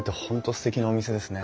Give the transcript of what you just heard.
すてきなお店ですね。